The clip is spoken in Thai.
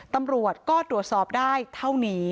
ตำรวจก็ตรวจสอบได้เท่านี้